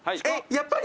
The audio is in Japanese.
やっぱり？